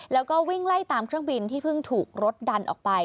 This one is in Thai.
แล้วก็วิ่งไล่ตามเครื่องบินที่เพิ่งถูกรถดันออกไป